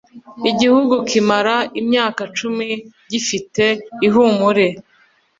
igihugu kimara imyaka cumi gifite ihumure